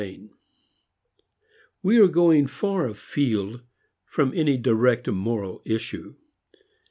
II We are going far afield from any direct moral issue.